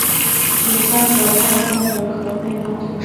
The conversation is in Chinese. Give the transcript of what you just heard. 吕桑河畔丰人口变化图示